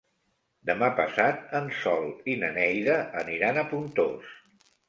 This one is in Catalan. Demà passat en Sol i na Neida aniran a Pontós.